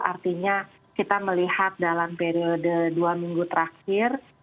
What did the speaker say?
artinya kita melihat dalam periode dua minggu terakhir